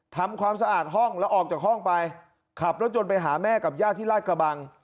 ทำความสะอาดห้องแล้วออกจากห้องไปขับรถยนต์ไปหาแม่กับญาติที่ราชกระบัง